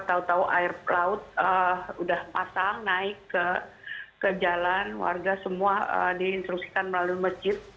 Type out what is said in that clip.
tahu tahu air laut sudah pasang naik ke jalan warga semua diinstruksikan melalui masjid